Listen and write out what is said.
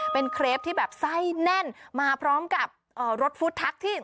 เป็นเครปที่แบบไส้แน่นมาพร้อมกับรถฟู้ดทักที่